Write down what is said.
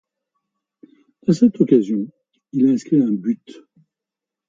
À cette occasion, il inscrit un but.